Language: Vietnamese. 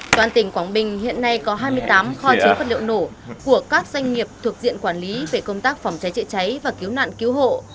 toàn tỉnh quảng bình hiện nay có hai mươi tám kho chế vật liệu nổ của các doanh nghiệp thuộc diện quản lý về công tác phòng cháy chữa cháy và cứu nạn cứu hộ